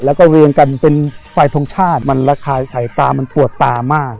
แล้วก็เรียงกันเป็นไฟทรงชาติมันระคายสายตามันปวดตามาก